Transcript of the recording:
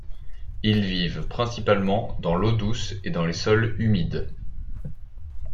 Ils vivent principalement dans l'eau douce et dans les sols humides.